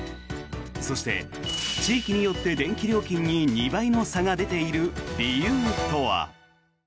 そして、地域によって電気料金に２倍の差が出ている理由とは。